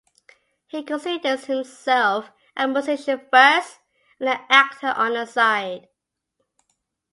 He considers himself a musician first and an actor on the side.